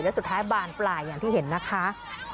และสุดท้ายบานปลายอย่างที่เห็นนะคะ